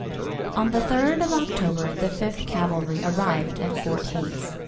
On the 3d of October the Fifth Cavalry arrived at Fort Hays.